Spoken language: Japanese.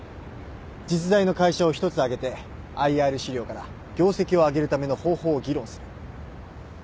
実在の会社を１つ挙げてＩＲ資料から業績を上げるための方法を議論する。